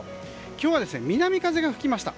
今日は南風が吹きました。